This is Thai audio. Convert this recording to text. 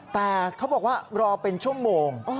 แต่เขาบอกว่ารอเป็นชั่วโมง